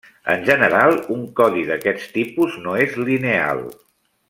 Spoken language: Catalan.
En general un codi d'aquest tipus no és lineal.